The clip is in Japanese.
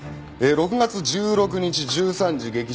６月１６日１３時劇場入り。